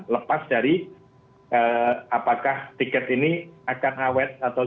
lepas dari apakah tiketnya sudah diberikan